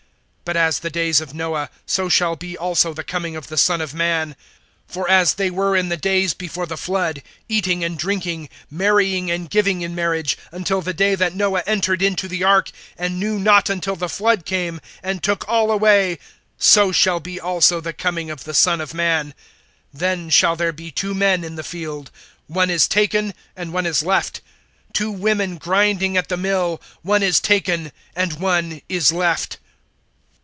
(37)But as the days of Noah, so shall be also the coming of the Son of man. (38)For as they were in the days before the flood, eating and drinking, marrying and giving in marriage, until the day that Noah entered into the ark, (39)and knew not until the flood came, and took all away; so shall be also the coming of the Son of man. (40)Then shall there be two men in the field, one is taken, and one is left; (41)two women grinding at the mill, one is taken, and one is left.